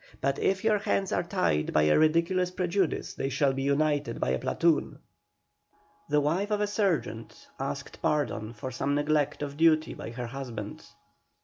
But if your hands are tied by a ridiculous prejudice they shall be untied by a platoon." The wife of a sergeant asked pardon for some neglect of duty by her husband.